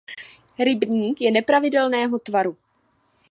Rybník je nepravidelného tvaru.